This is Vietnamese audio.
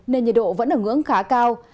nên nhiệt độ vẫn ở ngưỡng khá cao